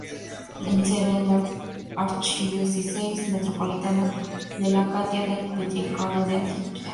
Es sede de la Archidiócesis Metropolitana de Latakia del Patriarcado de Antioquía.